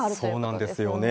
そうなんですよね。